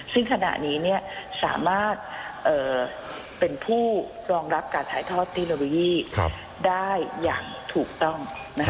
ซึ่งขณะนี้สามารถเป็นผู้รองรับการถ่ายทอดเทคโนโลยีได้อย่างถูกต้อง